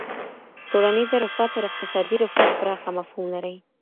ټولنیزه رفاه تر اقتصادي رفاه پراخه مفهوم لري.